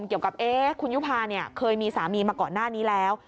เกี่ยวกับคุณยุภาเคยมีสามีมาก่อนหน้านี้แล้ว